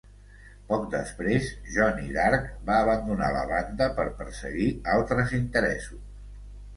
Poc després, Johnny Dark va abandonar la banda per perseguir altres interessos.